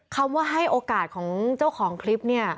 คำว่าให้โอกาสของเจ้าของคลิปเนี่ย